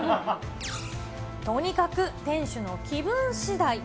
とにかく店主の気分しだい。